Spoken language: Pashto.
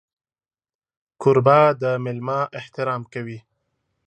کوربه د مېلمه احترام کوي.